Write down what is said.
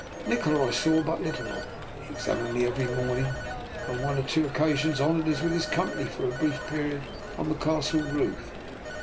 Nikola I saw but little of. He examined me every morning, and on one or two oc casions honoured us with his company for a brief period on the Castle roof.